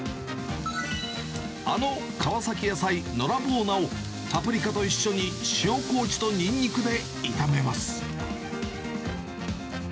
あの川崎野菜、のらぼう菜をパプリカと一緒に塩こうじとニンニクで炒めます。